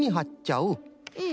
うん。